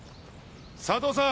佐藤さん。